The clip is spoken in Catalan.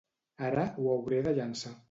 Ara ho hauré de llençar.